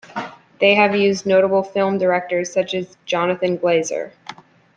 They have used notable film directors such as Jonathan Glazer.